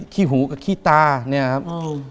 ที่หูกับขี้ตาเนี่ยครับ